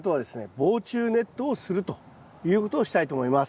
防虫ネットをするということをしたいと思います。